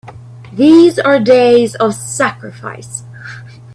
These are days of sacrifice!